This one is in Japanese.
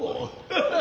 ハハハハ。